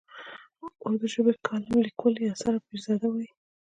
اردو ژبی کالم لیکوال یاسر پیرزاده وايي.